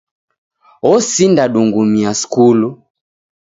Osinda dungumia skulu